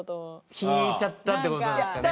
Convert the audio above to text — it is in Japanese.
引いちゃったってことなんですかね。